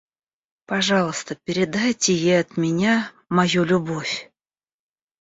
Пожалуйста, передайте ей от меня мою любовь.